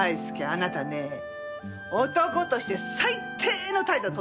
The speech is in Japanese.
あなたね男として最低の態度をとったのよ